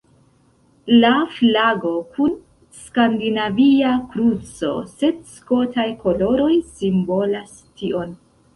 La flago kun Skandinavia kruco sed Skotaj koloroj simbolas tion.